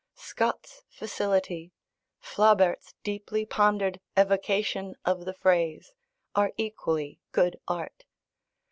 Scott's facility, Flaubert's deeply pondered evocation of "the phrase," are equally good art.